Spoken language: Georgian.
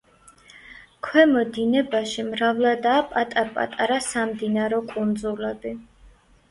ქვემო დინებაში მრავლადაა პატარ-პატარა სამდინარო კუნძულები.